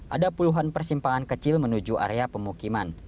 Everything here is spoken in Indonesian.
ada puluhan persimpangan kecil menuju area pemukiman